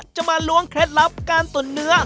จะมาล้วงเคล็ดลับการตุ๋นเนื้อ